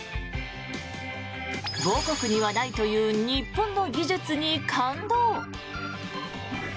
母国にはないという日本の技術に感動。